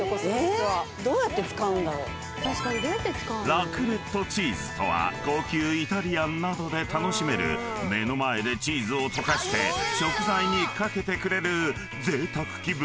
［ラクレットチーズとは高級イタリアンなどで楽しめる目の前でチーズを溶かして食材に掛けてくれるぜいたく気分